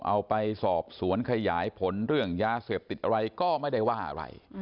เอาไปสอบสวนขยายผลเรื่องยาเสพติดอะไรก็ไม่ได้ว่าอะไร